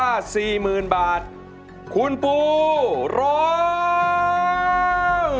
แปลงที่๓นะครับมูลค่า๔๐๐๐๐บาทคุณปูร้อง